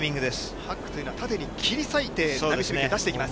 ハックというのは、縦に切り裂いて波しぶきを出していきます。